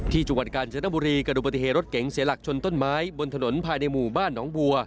จังหวัดกาญจนบุรีกระดูกปฏิเหตุรถเก๋งเสียหลักชนต้นไม้บนถนนภายในหมู่บ้านหนองบัว